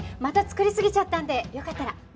また作りすぎちゃったんでよかったら。